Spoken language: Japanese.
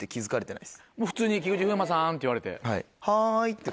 普通に「菊池風磨さん」って言われて？